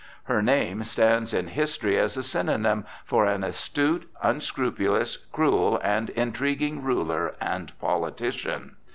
Her name stands in history as a synonym for an astute, unscrupulous, cruel, and intriguing ruler and politician.